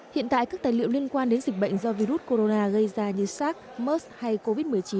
hiện tại các tài liệu liên quan đến dịch bệnh do virus corona gây ra như sars mers hay covid một mươi chín